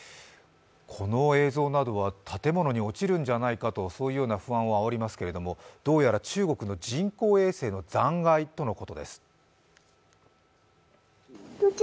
この映像などは、建物に落ちるんじゃないかと、そういうような不安をあおりますけど、どうやら中国の人工衛星の残骸とのことです。